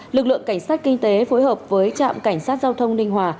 lực lượng cảnh sát kinh tế phối hợp với trạm cảnh sát giao thông ninh hòa